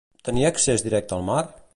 Tenia accés directe al mar?